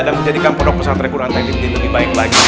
dan menjadikan pendukung santri kunantan yang lebih baik lagi ya